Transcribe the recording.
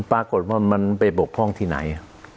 ปรากฏว่ามันไปบกพ่องที่ไหน